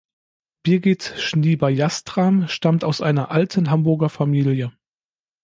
Birgit Schnieber-Jastram stammt aus einer alten Hamburger Familie.